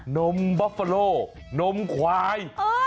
นมบอฟเฟลโลนมขวาย